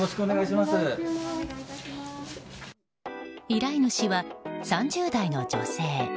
依頼主は３０代の女性。